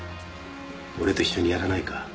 俺と一緒にやらないか？